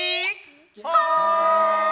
はい！